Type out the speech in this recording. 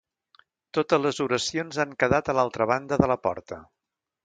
Totes les oracions han quedat a l'altra banda de la porta.